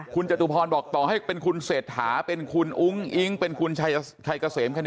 คุณจตุพรบอกต่อให้เป็นคุณเศรษฐาเป็นคุณอุ้งอิ๊งเป็นคุณชัยเกษมคณะ